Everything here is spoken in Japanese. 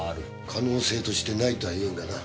可能性としてないとは言えんがな。